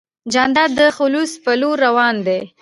جانداد د خلوص په لور روان دی.